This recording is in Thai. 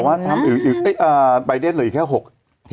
แต่ว่าทำอีกใบเดนเหลืออีกแค่๖ที่